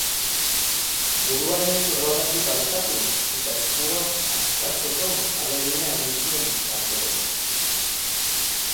Burua nire sorbaldatik altxatu eta eskua askatzeko ahalegina egin zuen Rachelek.